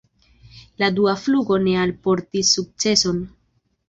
La dua flugo ne alportis sukceson.